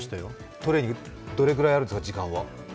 トレーニングどれぐらいあるんですか、時間は？